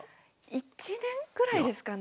１年ぐらいですかね。